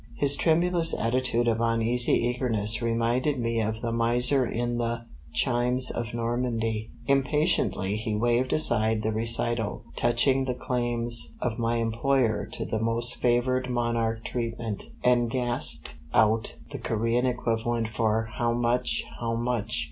His tremulous attitude of uneasy eagerness reminded me of the Miser in the "Chimes of Normandy." Impatiently he waved aside the recital touching the claims of my employer to the most favoured monarch treatment, and gasped out the Corean equivalent for "How much, how much?"